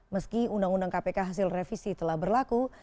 meski undang undang kpk hasil revisi telah berlaku